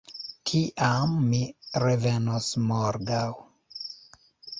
Tiam mi revenos morgaŭ.